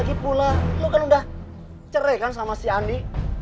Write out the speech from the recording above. lagi pula lu kan udah cerai kan sama si andi